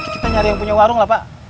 kita nyari yang punya warung lah pak